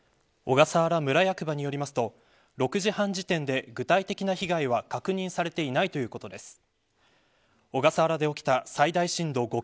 小笠原村役場によりますと６時半時点で具体的な被害は確認されていないとのことです。